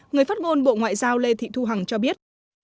người phát ngôn bộ ngoại giao lê thị thu hằng cho biết